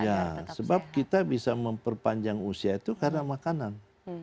ya sebab kita bisa memperpanjang usia itu karena makanan